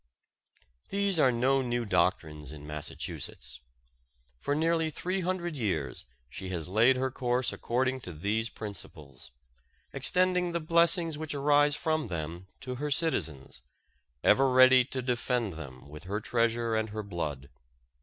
These are no new doctrines in Massachusetts. For nearly three hundred years she has laid her course according to these principles, extending the blessings which arise from them to her citizens, ever ready to defend them with her treasure and her blood.